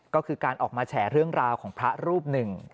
ก็คือการออกมาแฉเรื่องราวของพระรูปหนึ่ง